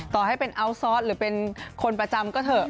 ต่อให้เป็นอัลซอสหรือเป็นคนประจำก็เถอะ